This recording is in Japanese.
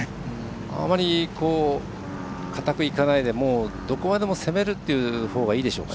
あまり硬くいかないでどこまでも攻めるというほうがいいでしょうか。